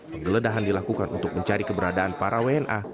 penggeledahan dilakukan untuk mencari keberadaan para wna